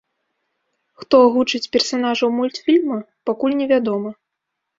Хто агучыць персанажаў мультфільма, пакуль не вядома.